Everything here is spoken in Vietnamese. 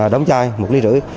đóng chai một ly rưỡi